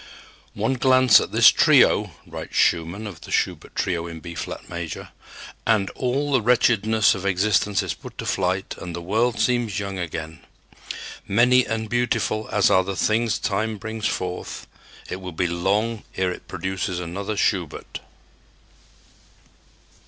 "One glance at this trio," writes Schumann of the Schubert trio in B flat major, "and all the wretchedness of existence is put to flight and the world seems young again.... Many and beautiful as are the things Time brings forth, it will be long ere it produces another Schubert."